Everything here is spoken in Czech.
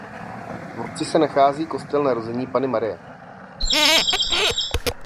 V obci se nachází kostel Narození Panny Marie.